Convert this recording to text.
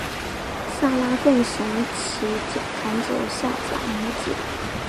撒拉更怂其赶走夏甲母子。